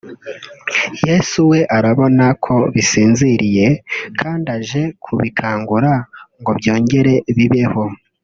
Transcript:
Yesu we arabona ko bisinziriye kandi aje kubikangura ngo byongere bibeho